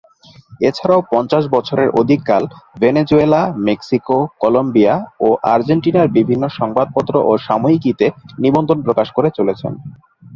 এছাড়াও পঞ্চাশ বছরের অধিককাল ভেনেজুয়েলা, মেক্সিকো, কলম্বিয়া ও আর্জেন্টিনার বিভিন্ন সংবাদপত্র ও সাময়িকীতে নিবন্ধ প্রকাশ করে চলেছেন।